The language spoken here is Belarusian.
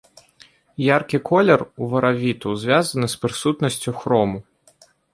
Яркі колер уваравіту звязаны з прысутнасцю хрому.